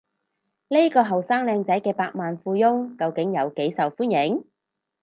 呢個後生靚仔嘅百萬富翁究竟有幾受歡迎？